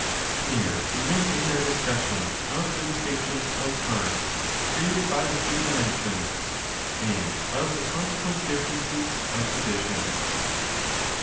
Here we may end our discussion of the distinctions 286% of parts created by the three dimensions and of the conse quent differences of position.